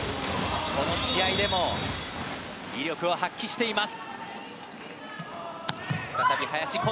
この試合でも威力を発揮しています。